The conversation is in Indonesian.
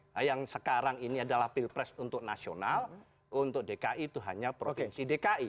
karena sekarang ini adalah pilpres untuk nasional untuk dki itu hanya provinsi dki